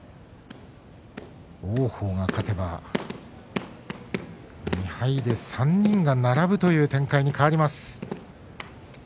王鵬が勝てば２敗で３人が並ぶという展開に変わります。